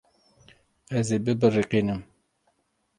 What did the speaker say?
Ez ê bibiriqînim.